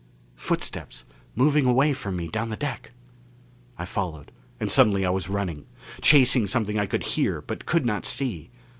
Footsteps moving away from me down the deck! I followed; and suddenly I was running. Chasing something I could hear, but could not see.